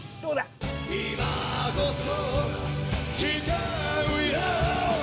「いまこそ誓うよ」